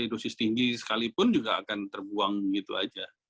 dosis tinggi sekalipun juga akan terbuang gitu aja